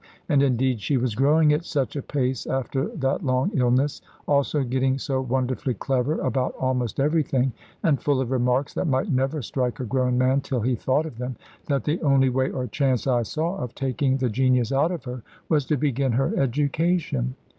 And indeed she was growing at such a pace after that long illness, also getting so wonderfully clever about almost everything, and full of remarks that might never strike a grown man till he thought of them, that the only way or chance I saw of taking the genius out of her, was to begin her education.